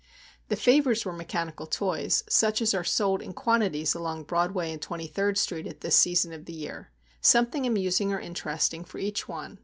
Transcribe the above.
The favours were mechanical toys, such as are sold in quantities along Broadway and Twenty third Street at this season of the year,—something amusing or interesting for each one.